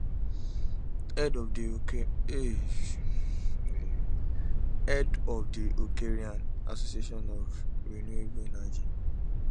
Head of the Ukrainian Association of Renewable Energy.